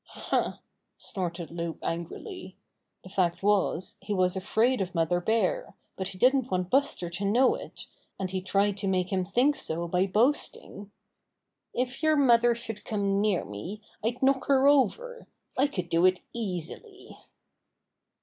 "Huh!" snorted Loup angrily. The fact was he was afraid of Mother Bear, but he didn't want Buster to know it, and he tried to make him think so by boasting. "If your 18 Buster the Bear mother should come near me, I'd knock her over. I could do it easily."